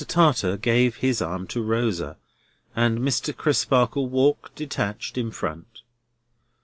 Tartar gave his arm to Rosa, and Mr. Crisparkle walked, detached, in front.